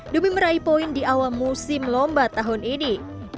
demi meraih poin di awal musim lomba tahun ini